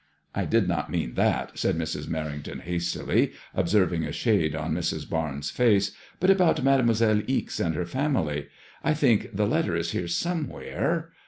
I did not mean that," said Mrs. Merrington, hastily, ob serving a shade on Mrs. Barnes* face. But about Mademoiselle Ixe and her family. I think the letter is here somewhere.